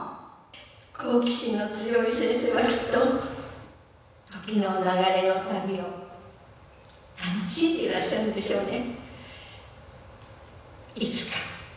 好奇心の強い先生はきっと、時の流れの旅を楽しんでいらっしゃるんでしょうね。